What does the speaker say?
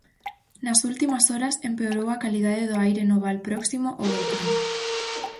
Nas últimas horas empeorou a calidade do aire no val próximo ao volcán.